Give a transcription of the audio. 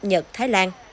nhật thái lan